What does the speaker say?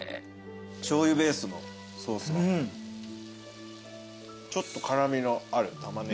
しょうゆベースのソースのちょっと辛味のあるタマネギ。